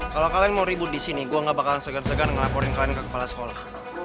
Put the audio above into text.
kalau kalian mau ribut di sini gue gak bakal segan segan ngelaporin kalian ke kepala sekolah